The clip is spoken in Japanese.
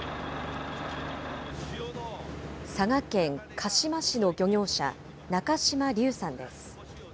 佐賀県鹿島市の漁業者、中島龍さんです。